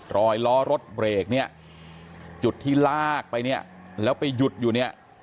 รอยล้อรถเบรกเนี่ยจุดที่ลากไปเนี่ยแล้วไปหยุดอยู่เนี่ย